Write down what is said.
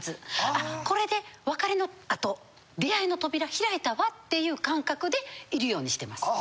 あっこれで別れのあと出会いの扉開いたわっていう感覚でいるようにしてます。